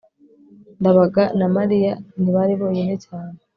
ndabaga na mariya ntibari bonyine cyane